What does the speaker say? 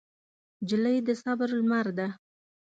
نجلۍ د صبر لمر ده.